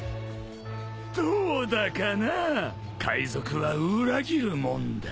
どうだかなぁ海賊は裏切るもんだ。